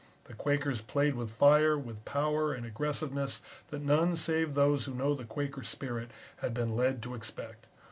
The Quakers played with fire, with power and aggressiveness that none save those who know the Quaker spirit had been led to expect.